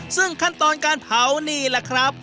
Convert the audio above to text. ซึ่งขั้นตอนการเผานี่แหละครับ